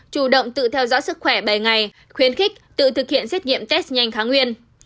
chủ động tự theo dõi sức khỏe bảy ngày khuyến khích tự thực hiện xét nghiệm test nhanh kháng nguyên